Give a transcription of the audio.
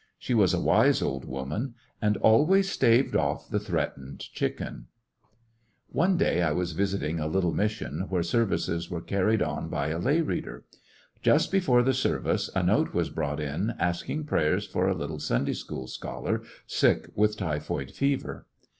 She was a wise old woman, and always staved off the threatened chicken. Poverty' sinde One day I was visiting a little mission where pendence ,..^^. services were carried on by a lay reader. Just before the service a note was brought in asking prayers for a little Sunday school scholar sick with typhoid fever.